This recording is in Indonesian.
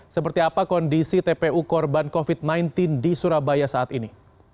seperti apa kondisi tpu korban covid sembilan belas di surabaya saat ini